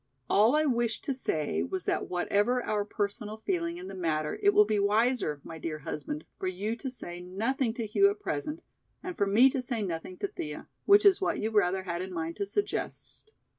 All I wished to say was that whatever our personal feeling in the matter it will be wiser, my dear husband, for you to say nothing to Hugh at present and for me to say nothing to Thea, which is what you rather had in mind to suggest.